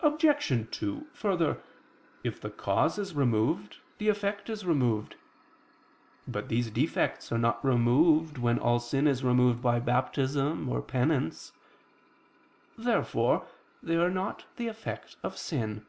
Obj. 2: Further, if the cause is removed, the effect is removed. But these defects are not removed, when all sin is removed by Baptism or Penance. Therefore they are not the effect of sin.